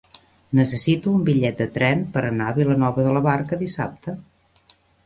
Necessito un bitllet de tren per anar a Vilanova de la Barca dissabte.